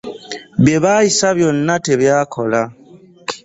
Bye baayisa byonna tebyakola.